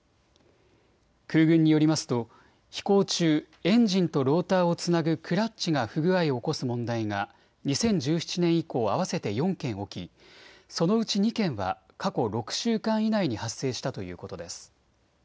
空軍によりますと飛行中、エンジンとローターをつなぐクラッチが不具合を起こす問題が２０１７年以降、合わせて４件起き、そのうち２件は過去６週間以内に発生したということです。